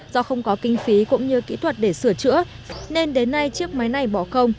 do không có kinh phí cũng như kỹ thuật để sửa chữa nên đến nay chiếc máy này bỏ không